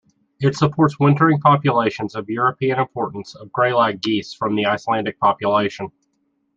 It supports wintering populations of European importance of greylag geese from the Icelandic population.